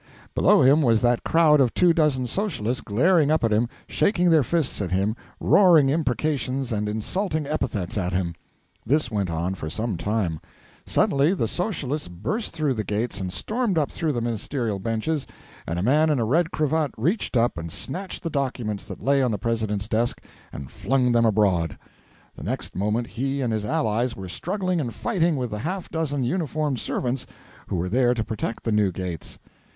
Below him was that crowd of two dozen Socialists glaring up at him, shaking their fists at him, roaring imprecations and insulting epithets at him. This went on for some time. Suddenly the Socialists burst through the gates and stormed up through the ministerial benches, and a man in a red cravat reached up and snatched the documents that lay on the President's desk and flung them abroad. The next moment he and his allies were struggling and fighting with the half dozen uniformed servants who were there to protect the new gates.